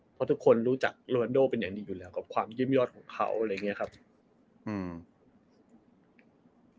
เพราะทุกคนรู้จักโรวันโดเป็นอย่างดีอยู่แล้วกับความเยี่ยมยอดของเขาอะไรอย่างเงี้ยครับอืม